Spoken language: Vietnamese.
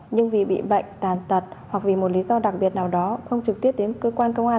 nhưng vì bị bệnh tàn tật hoặc vì một lý do đặc biệt nào đó không trực tiếp đến cơ quan công an